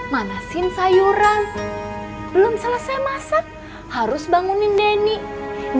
manasin sayuran belum selesai masak harus bangunin deni nyiapin